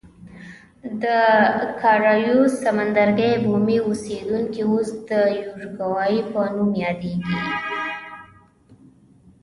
د کارایوس سمندرګي بومي اوسېدونکي اوس د یوروګوای په نوم یادېږي.